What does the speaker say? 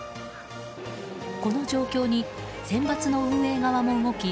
この状況にセンバツの運営側も動き